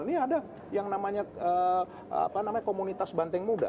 ini ada yang namanya komunitas banteng muda